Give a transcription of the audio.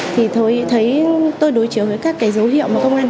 thì tôi thấy tôi đối chuyện với khách hàng tôi cũng thấy khách hàng cũng mới quen